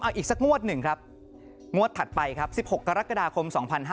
เอาอีกสักงวดหนึ่งครับงวดถัดไปครับ๑๖กรกฎาคม๒๕๕๙